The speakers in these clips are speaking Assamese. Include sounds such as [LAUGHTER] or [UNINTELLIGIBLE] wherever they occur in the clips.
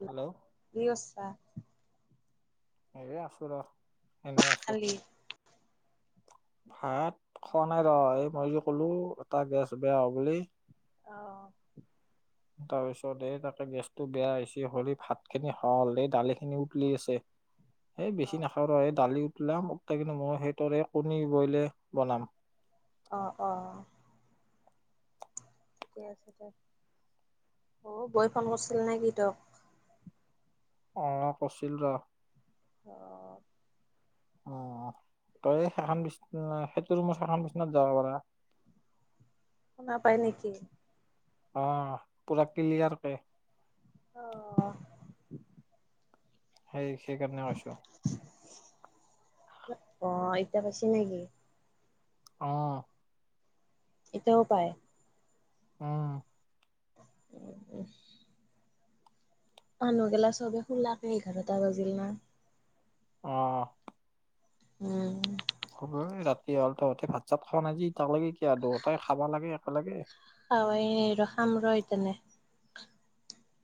কি হেল্ল' কৰিছা। এয়ে আছো ৰ এনে আছো ভাত খোৱা নাই ৰ এই মই যে কলো এটা গেছ বেয়া হোৱা বুলি। আহ তাৰ পিছত এই তাকে গেছটো বেয়া হৈছে হৰি ভাত খিনি হ'ল এই দালি খিনি উতলি আছে সেই বেছি নাখাওঁ ৰ দালি উলাম কিন্তু মই সেইটৰে কণী বইলে বনাম আহ অ ঠিকে আছে দে অ বৈ ফোন কৰিছিল নেকি তক? অ কছিল ৰ অ অ তই সেইখন বিনা সেইটো ৰুমত সেইখন বিচনাত যাব পাৰা শুনা পায় নেকি‌? অ পুৰা ক্লিয়াৰ পায় অ সেই সেইকাৰণে কৈছো অ এতিয়া পাছি নেকি আহ এতিয়াও পায় উম উম উম মানুহগেলা চবে খোলাকে এঘাৰটা বাজিল না আহ উম হ'ব ৰাতি হ'ল তহঁতে ভাত চাত খোৱা নাই যে কিয় দুহতাই খাবা লাগে একেলগে ৰ খাম ৰ এই তেনে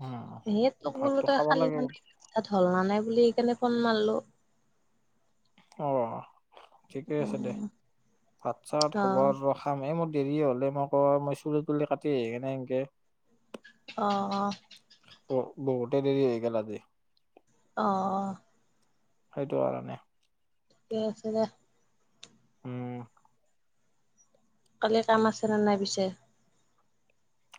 উম, সেই তোক বোলো ভাতটো তই খাব খালি লাগে মানে তাত হল ন নাই বুলি সেইকাৰণে ফন মাৰলো অ ঠিকে আছে দে উম ভাত চাত অ হব ৰ খাম এই মোৰ দেৰি হলে মই ক মই চুলি তুলি কাটি আহি কে নাই এনকে অঁ অঁ। বু-বুহুতেই দেৰিহৈ গল আজি। অঁ। সেইটো আৰু নে। এ আছে দে। উম। কালি কাম আছে নে নাই পিছে?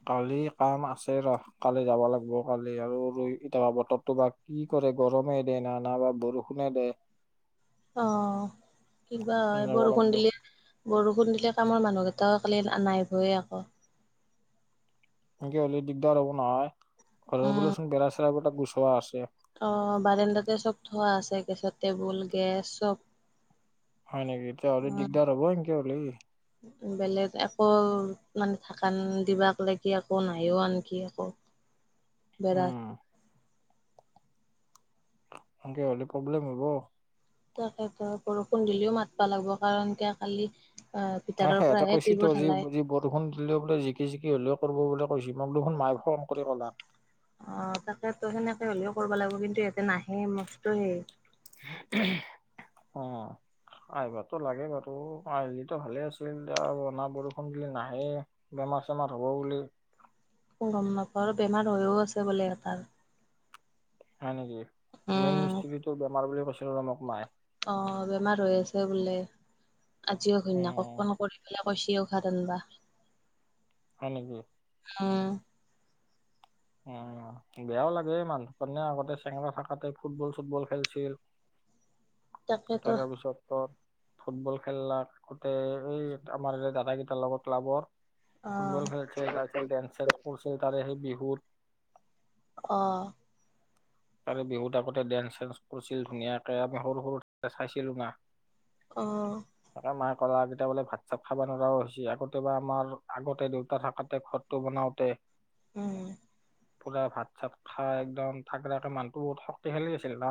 কালি কাম আছে ৰহ। কালি যাব লাগ ব, কালি আৰু ই এতা বতৰটো বা কি? কৰে গৰমে দেনা, না বা বৰষুণে দে। অ কিবা যাব লাগিব। বৰষুণ দিলে বৰষুণ দিলে কামৰ মানুহ- গতও কালি নাই ভৰে আকৌ। এনকে হ'লে দিগদাৰ হ'ব নহয়। ঘৰৰ উম ব চোন বেৰা চেৰাবটা গুচোৱা আছে। অ বাৰানণ্ডাতে চব ধোৱা আছে গেছত টেবুল, গেছ চব। হয় নেকি এতিয়া হলে উম দিগদাৰ হব এনকে হলে। বেলেগ আকৌ মানে থাকা দিবাক লাগি আকৌ নাইও আনকি আকৌ। [UNINTELLIGIBLE] উম। সেনকে হলে প্ৰব্লেম হব। তেখেত বৰষুণ দিলেও মাতবা লাগব কাৰণ কে কালি- আহ ভিতৰৰ সিহঁতে পৰাহে কৈছে টিউব ঢালাই তহতি বৰষুণ দিলেও বোলে জিকি জিকি হ'লেও কৰিব বোলে। কৰিছে মই দেখোন মায়ে খং কৰি অ তাকেতো কলাক। সেনেকে হ'লেও কৰিব লাগিব কিন্তু ইয়াতে নাহে মস্ত সেই- অঁ। আহিবাতো লাগে বাৰু আহলিতো ভালে আছিলা। বৰষুণ দিলে নাহে - বেমাৰ-চেমাৰ হ'ব বুলি। ক গ ঘৰত বেমাৰ হৈও আছে বোলে এটাৰ। হয় নেকি মেইন উম মিস্ত্ৰীটো বেমাৰ বুলি কৈছিলো মোক মাই। অ বেমাৰ হৈ আছে বোলে আজিও ঘন্যাক উম কন কৰি পেলাই কৈছেও। কাৰণবা- হয় নেকি? অঁ। উ বেয়াও লাগে মানুহ কাৰণে আগতে চেঙা থাকাতে ফুটবল চুটবল খেলিছিল। [UNINTELLIGIBLE] তাকেতো তাৰ পিছত ত- ফুটবল খেলোতে এই আমাৰ দাদা কেইটাৰ লগত ক্লাবৰ- ফুটবল খেলছিল তাৰপিছত ডেন্স চেন্স কৰিছিল তাৰে সেই বিহুত- অঁ। তাৰে বিহুত আগতে ডেন্স চেন্স কৰিছিল ধুনীয়াকে আমি সৰু সৰু চাইছিলো না। আহ। গেইতি বোলে ভাত চাত খাব নোৱাৰাও হৈছে। আগতে বা আমাৰ আগতে দেউতা থাকতে ঘৰটো বনাওঁতে- উম। পুৰা ভাত চাত খাই একদম থাকডে মানুহটো বহুত শক্তিশালী আছিল ন।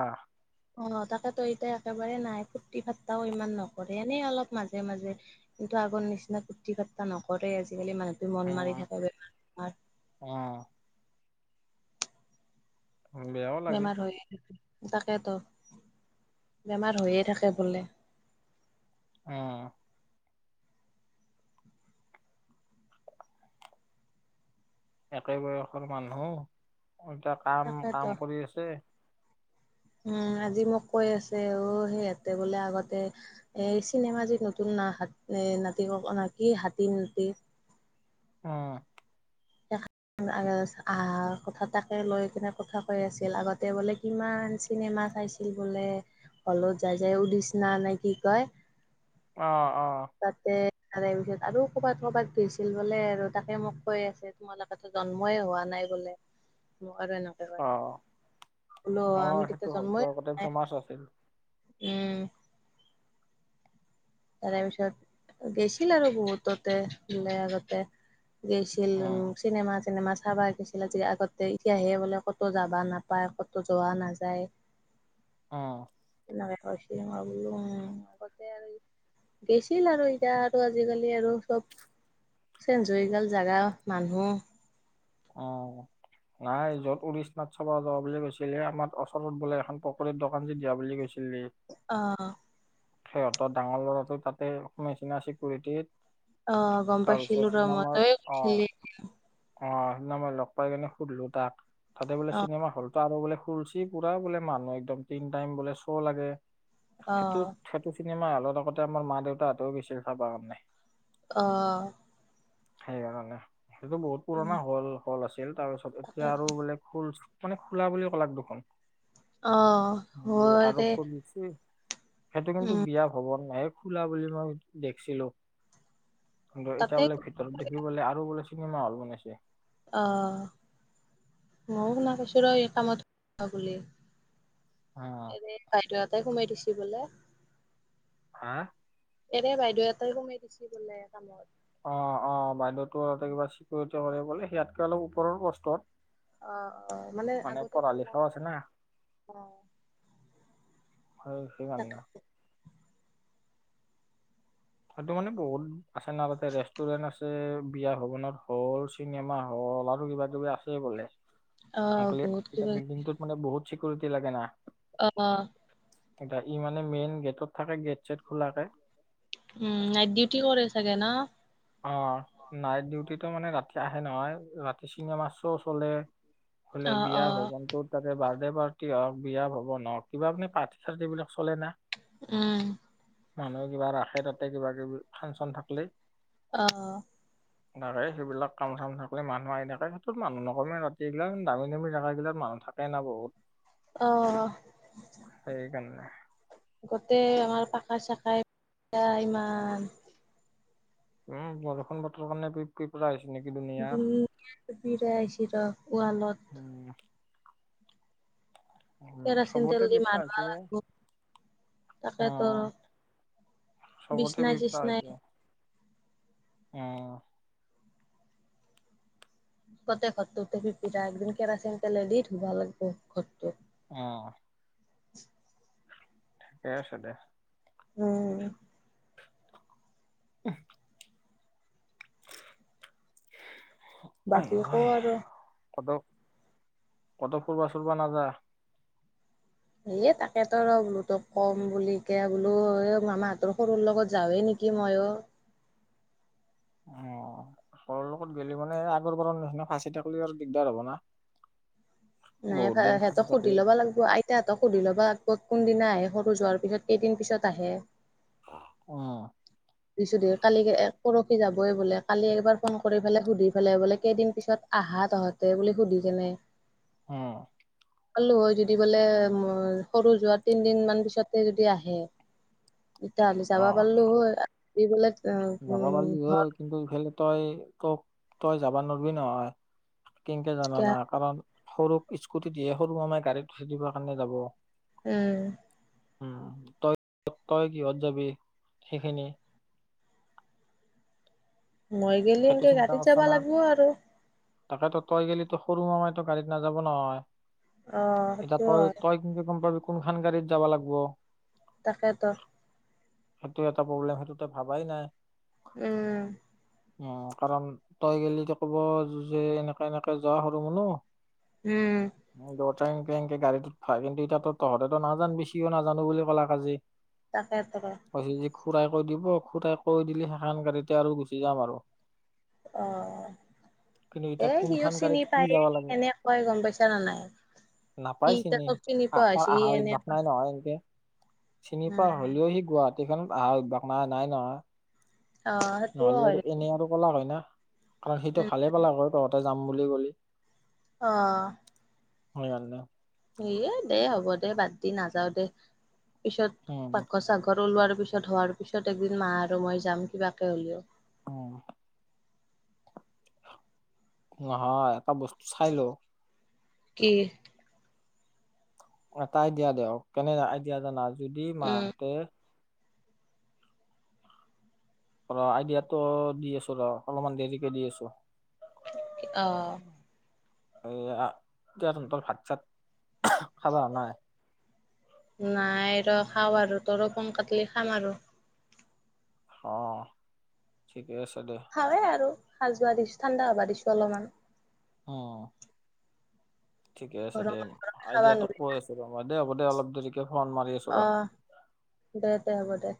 অ তাকেতো এতিয়া একেবাৰে নাই ফূৰ্তি ফাৰ্তাও ইমান নকৰে, এনেই অলপ মাজে মাজে। কিন্তু আগৰ নিচিনা ফূৰ্তি ফাৰ্তটা নকৰে আজিকালি মানুহ- মন মাৰি উম থাক যে বেমাৰ। উম বেয়াও লাগে বেমাৰ হৈ - তাকেতো বেমাৰ হৈয়ে থাকে বোলে। আহ। একে বয়সৰ মানুহ এতিয়া কাম -কাম কৰি আছে। [UNINTELLIGIBLE] উ আজি মোক কৈ আছে অ সিহঁতে বোলে আগতে এই চিনেমা যি নতুন নাশ। এ নাতি ক ন নাতি হাতী নাতি উহ। আহ কথা তাকে লৈ কিনে কথা কৈ আছিল আগতে বোলে কিমান চিনো। মা চাইছিল বোলে হলত যাই যাই উদচনা নাই কি কয়। আহ আহ তাতে তাৰে পিছত আৰু কৰ'বাত কৰ'বাত ধইছিল বোলে আৰু তাকে মোক কৈ আছে তোমালোকে ত জন্মই হোৱা নাই বোলে আৰু এনেকে অ ক বোলো অ আমি সেইটো তেতিয়া হলটো জন্মই আগতে ফেমাচ আছিল উম তাৰ পিছত গেছিল আৰু বহুততে বলে আগতে গৈছিল উম চিনেমা চিনেমা চাবাগৈছিলা যে আগতে এতিয়াহে বোলে ক'তো যাবা নাপায় ক'তো যোৱা নাযায় আহ [UNINTELLIGIBLE] গেছিল আৰু এতিয়া আৰু আজিকালি আৰু চব চেঞ্জু হৈগল জাগা মানুহ অ নাই যত উৰিষ্ণাত চাবা যোৱা বুলি কৈছিলে আমাৰ ওচৰত বোলে এখন পকৰীৰ দোকান যি দিয়া বুলি কৈছিল অ সিহঁতৰ ডাঙৰ ল'ৰাটো তাতে নিচিনা চিকৰিটিত আহ গম পাইছিলো ৰ মতয়ে অ গৈছিলি অ সেইদিনা মই লগ পাই কিনে সুধিলো তাক তাতে বোলে অ', চিনেমা হলতো আৰু বোলে ফুলচি পুৰা বোলে মানুহ একদম তিন টাইম বোলে শ' লাগে সেইটো অ', সেইটো চিনেমা হলত আগতে আমাৰ মা দেউতা হাতেও গৈছিল চাবৰ কাৰণে আহ সেইকাৰণে সেইটো বহুত উম, পুৰণা হল হল আছিল তাৰ পিছত এতিয়া তাকেতো আৰু ববলে শুল। মানে খোলা বুলি ক'লাক দোকান। অ হয় তে খুলিছে সেইটো কিন্তু বিয়া ভৱন নাহে খোলা বুলি মই দেখিছিলো কিন্তু তাতে এতিয়া বোলে ভিতৰত দেখিবলে আৰু বোলে চিনেমা হল বনাইছে অ ময়ো শুনা পাইছোঁ ৰ এই কামত বুলি। অ এ বাইদেউতে সোমাই দিছে বোলে। হা এনে বাইদেউ এটাই কোমাই দিছে বোলে কামত অ অ বাইদেউতোতে কিবা চিকিৰিটি কৰে বোলে সেয়াতকে অলপ ওপৰৰ কষ্টত। অ অ মানে আগতে নাই লিখাও আছে না অ হয়ছি গ ন হয়টো মানে বহুত আছে না তাতে ৰেষ্টুৰেন্ট আছে বিয়া ভৱনত হল চিনেমা হল। হলা আৰু কিবা কিবি আছেই বোলে অ' বহুত সি কিবা বিল্ডিংটোত মানে বহুত চিকৰিটি লাগে না। অ এয়া ই মানে মেইন গেটত থাকে গেট ছেট খোলাকে। উম নাই ডিউটি কৰেই চাগে ন। অ নাইট ডিউটিটো মানে ৰাতি আহে নহয় ৰাতি চিনেমা শ্ব' চলে। হলে অ' বিয়া অ' ভগৱন্ত ত তাকে বাৰ। বাৰ্ডে পাৰ্টি হওক বিয়া ভৱন হওক কিবাি পাৰ্থি চাৰ্টি বিলাক চলে না উম মানুহে কিবা ৰাখে তাতে কিবা কিবি ফাংচন থাকলেই। অ। তাৰে সেইবিলাক কাম চাম চাবলে মানুহ আহি থাকে সেইটোত মানুহ নকমে ৰাতিগিলাক দামী দামী জাগা গিল মান। থাকে না বহুত। অহ সেইকাৰণে গোটেই আমাৰ পাখা চাখাই ইমান। উম বৰষুণ বতৰ কাৰণে পেল আহিছে। দু বিৰা আহিছ ৰ ৱালত। উম উম, কেৰাচিন তেল চবতে দি বিপদ মাৰ আছে লাগিব, অ, তাকে তৰ চবতে বিছনা চিছনাই। আহ কতে ঘৰটো পিপি একদিন কেৰাচিন তেলে দি ধুব লাগিব ঘৰটো। অহ [INAUDIBLE] ঠিকে আছে দে। উম! আহ [UNINTELLIGIBLE] আই বাকী ঐ ক আৰু। কত কত ফুবা চুৰিবা নাযায়। এ তাকেতো ৰ বোলো তোক কম বুলি কে বোলো এ মামাহতৰ সৰুৰ লগত যাওৱে নেকি? কি মইয়ো। অ ঘৰ লগত গ'লে মানে আগৰ পৰা নিচিনা ফাঁচি থাকিলি আৰু দিগদাৰ হব না। নাই বহুত দিন ফাঁচি সিহতক সুধি থাকলি। লব লাগিব আইতাহঁতক সুধি লব লাগিব কোনদিনাই আহে সৰু যোৱাৰ পিছত কেইদিন পিছত আহে। অহ দিছিলো কালি পৰহি যাবই বোলে কালি এবাৰ ফোন কৰি পেলাই সুধি পেলাই বোলে কেইদিন পিছত আহা তহঁতে বুলি সুধি কেনে। অহ পালো হয় যদি বোলে সৰু যোৱা তিনদিন মান পিছতে যদি আহে। এতিয়া আমি যাব পাৰিলো হয় - যাবা পাৰিলি হ কিন্তু ইফালে তই তোক তই যাবা নোৱাৰিবি নহয়। কেনেকে জানা না কাৰণ সৰুক স্কুটি দিয়ে সৰু মামাই গাড়ীত উঠি দিবৰ কাৰণে যাব। উম! উম তই তই কিহত যাবি সেইখিনি মই গেলি সেইটো এনকে চিন্তা গাড়ীত কৰছা যাবা না? লাগিব আৰু। তাকেতো তই গেলি তো সৰু মামাই তো গাড়ীত নাযাব নহয়। অহ এতিয়া সেইটো তই হয় তই কিন্তু গম পাবি কোনখন গাড়ীত যাব লাগিব। তাকেতো। সেইটো এটা প্ৰব্লেম সেইটো তই ভাবাই নাই। উম! উম! কাৰণ তই গলে ক'ব যে এনেকে এনেকে যোৱা সৰু মুনো উম! টেং টেংক গাড়ীত হয় কিন্তু এতিয়াতো তহঁতেটো নাজানিবি সিও নানো বুলি ক'লে আজি তাকেতো পাছত যে খুড়ুৰাই কৈ দিব খুডাৰাই কৈ দিলি সেইখন গাড়ীতে আৰু গুচি যাম আৰু। অহ কিন্তু এ এতিয়া সিও কোনখন চিনি গাড়ীত কি পায় যাব লাগে কেনে কয় গম পাইছা নে নাই। কি এতিয়া তোক চিনি আ- পোৱা তাৰ হৈছে আহাৰ এনে অভ্যাস নাই নহয় এনকে চিনি উম পোৱা হলেও সি গুৱাহাটীখনত অহা অভ্যাস নাই নাই নহয়। অ সেইটোও নহ'লে হয় আৰু দেচোন, এনেই আৰু কলা হয় না। কাৰণ সেইটো উম ভালে পালে আকৌ তহঁতি যাম বুলি কলি। অহ [UNINTELLIGIBLE] সয়ে দে হ'ব দে বাদ দি নাযাও দে পিছত উম পাকাঘত চাকঘত লোৱাৰ পিছত হোৱাৰ পিছত একদিন মাহ আৰু মই যাম কিবাকে হ'লেও অ হয় এটা বস্তু চাই লৈ কি এটা দিয়া দে হক কে [UNINTELLIGIBLE] আই দিয়া জানা যদি উম মাহঁতে ৰ আইডিয়াটো দি আছো ৰ অলপমান দেৰিকে দি আছো অহ এয়া এতিয়া তহঁতৰ ভাত চাত খাবা নাই নাই ৰ খাওঁ আৰু তোৰ ফোন কাটলি খাম আৰু অহ ঠিক খাৱে আৰু সাজ যোৱা দিছো ঠাণ্ডা হবা দিছো অলপমান অহ ঠিকে আছে দে গৰম গৰমে খাবা আইডিয়াতো নোৱাৰি কৈ আছো ৰ দে হ'ব দে অলপ দেৰি এতিয়া ফোন মাৰি আছো অ ৰ দে দে হ'ব দে